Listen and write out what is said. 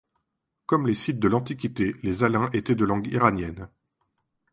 Comme les Scythes de l'Antiquité, les Alains étaient de langue iranienne.